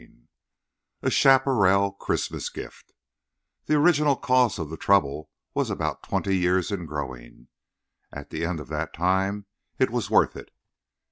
XX A CHAPARRAL CHRISTMAS GIFT The original cause of the trouble was about twenty years in growing. At the end of that time it was worth it.